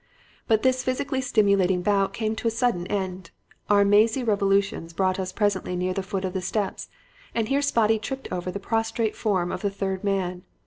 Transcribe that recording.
"But this physically stimulating bout came to a sudden end. Our mazy revolutions brought us presently near the foot of the steps, and here Spotty tripped over the prostrate form of the third man.